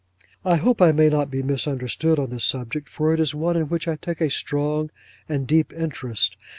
I hope I may not be misunderstood on this subject, for it is one in which I take a strong and deep interest.